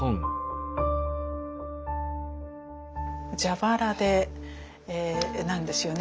蛇腹なんですよね。